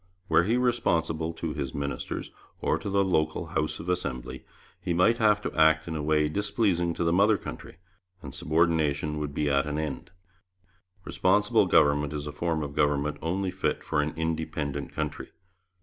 Were he responsible to his ministers or to the local House of Assembly, he might have to act in a way displeasing to the mother country, and subordination would be at an end. Responsible Government is a form of government only fit for an independent country.